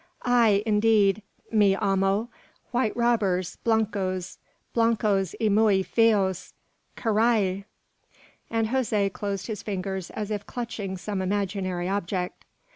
Ay, indeed, mi amo, white robbers; blancos, blancos y muy feos, carrai!" And Jose closed his fingers as if clutching some imaginary object.